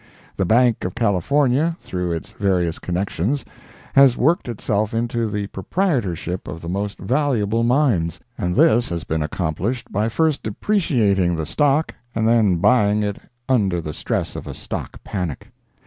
The Bank of California through its various connections, has worked itself into the proprietorship of the most valuable mines, and this has been accomplished by first depreciating the stock and then buying it under the stress of "a stock panic."